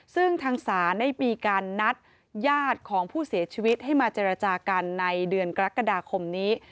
ซึ่งทางศาลได้มีการนัดญาติของผู้เสียชีวิตให้มาเจรจากันในเดือนกรกฎาคมนี้